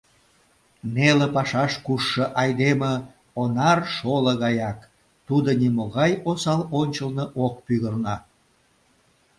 Неле пашаш кушшо айдеме онар шоло гаяк, тудо нимогай осал ончылно ок пӱгырнӧ.